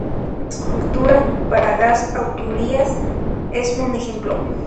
La escultura para Gas Asturias es un ejemplo.